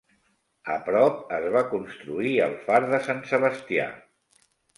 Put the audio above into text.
A prop es va construir el far de Sant Sebastià.